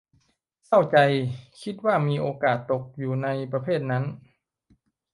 เศร้าใจ คิดว่ามีโอกาสตกอยู่ในประเภทนั้น